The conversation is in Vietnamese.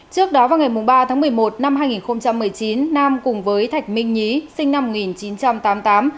trước đó vào ngày ba tháng một mươi một năm hai nghìn một mươi chín nam cùng với thạch minh nhí sinh năm một nghìn chín trăm tám mươi tám